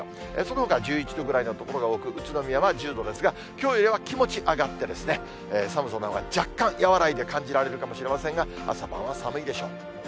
そのほかは１１度ぐらいの所が多く、宇都宮は１０度ですが、きょうよりは気持ち上がってですね、寒さのほうが若干和らいで感じられるかもしれませんが、朝晩は寒いでしょう。